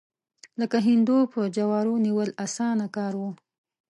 لکه هندو په جوارو نیول، اسانه کار و.